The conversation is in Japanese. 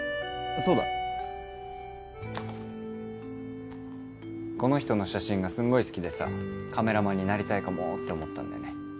そうだこの人の写真がすんごい好きでさカメラマンになりたいかもって思ったんだよね